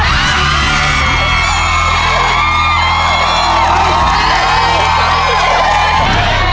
ลูกแสนลูกแสนลูกแสน